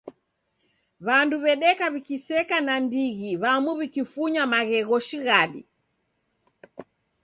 Wandu wedeka wikiseka na ndighi wamu wikifunya maghegho shighadi